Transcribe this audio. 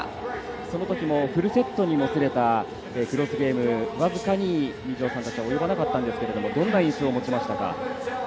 そのときもフルセットにもつれたクロスゲーム僅かに二條さんたちは及ばなかったんですけどどんな印象を持ちましたか？